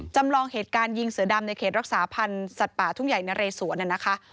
จำลองเหตุการณ์ยิงเสือดำในเขตรักษาพันธ์สัตว์ป่าทุ่งใหญ่นะเรสวนนะคะ